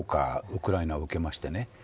ウクライナを受けましてね。